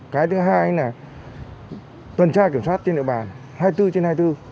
cái thứ hai là tuần tra kiểm soát trên địa bàn hai mươi bốn trên hai mươi bốn